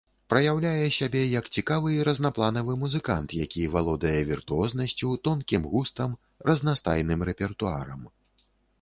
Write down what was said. Праяўляе сябе як цікавы і разнапланавы музыкант, які валодае віртуознасцю, тонкім густам, разнастайным рэпертуарам.